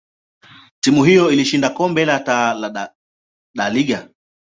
timu hiyo ilishinda kombe la Taa da Liga.